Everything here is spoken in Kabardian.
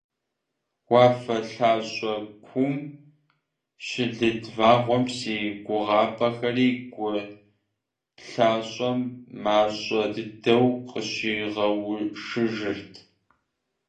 Уафэ лъащӀэ куум щылыд вагъуэм си гугъапӀэхэри гу лъащӀэм мащӀэ дыдэу къыщигъэушыжырт.